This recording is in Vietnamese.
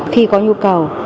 khi có nhu cầu